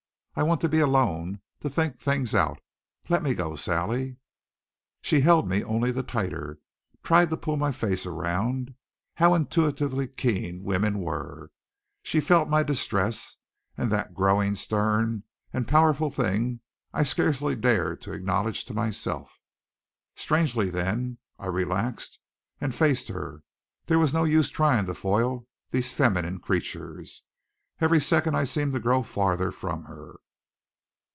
I want to be alone, to think things out. Let me go, Sally." She held me only the tighter, tried to pull my face around. How intuitively keen women were. She felt my distress, and that growing, stern, and powerful thing I scarcely dared to acknowledge to myself. Strangely, then, I relaxed and faced her. There was no use trying to foil these feminine creatures. Every second I seemed to grow farther from her.